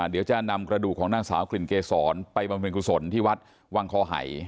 เดี๋ยวจะนำกระดูกของนางสาวกลิ่นเกษรไปบำเพ็ญกุศลที่วัดวังคอไห่